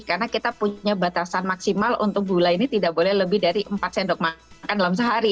karena kita punya batasan maksimal untuk gula ini tidak boleh lebih dari empat sendok makan dalam sehari